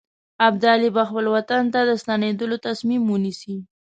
ابدالي به خپل وطن ته د ستنېدلو تصمیم ونیسي.